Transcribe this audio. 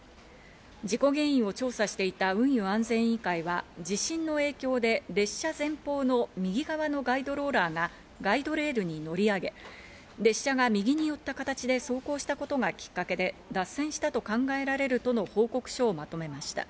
事故原因を調査していた運輸安全委員会は地震の影響で列車前方の右側のガイドローラーがガイドレールに乗り上げ、列車が右に寄った形で走行したことがきっかけで脱線したと考えられるとの報告書をまとめました。